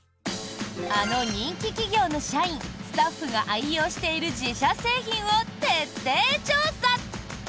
あの人気企業の社員・スタッフが愛用している自社製品を徹底調査！